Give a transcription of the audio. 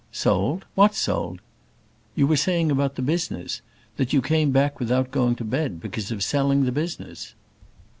"Sold! what sold?" "You were saying about the business that you came back without going to bed because of selling the business."